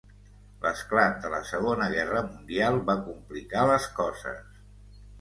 L’esclat de la Segona Guerra Mundial va complicar les coses.